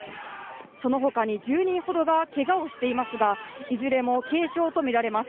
そのほかに１０人ほどがけがをしていますがいずれも軽傷とみられます。